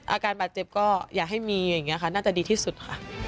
อาการบาดเจ็บก็อย่าให้มีอย่างนี้ค่ะน่าจะดีที่สุดค่ะ